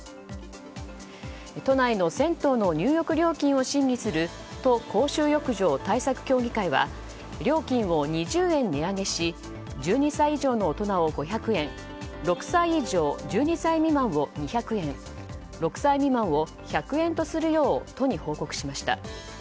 都内の銭湯の入浴料金を審議する都公衆浴場対策協議会は料金を２０円値上げし１２歳以上の大人を５００円６歳以上１２歳未満を２００円６歳未満を１００円とするよう都に報告しました。